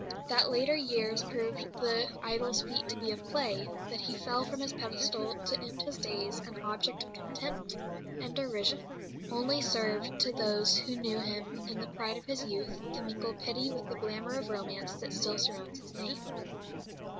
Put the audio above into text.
That later years proved the idol's feet to be of clay, that he fell from his pedestal to end his days an object of contempt and derision, only served to those who knew him in the pride of his youth to mingle pity with the glamour of romance that still surrounds his name.